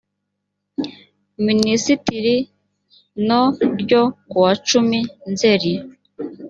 minisitiri no ryo ku wa cumi nzeri